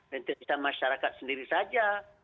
dan bisa masyarakat sendiri saja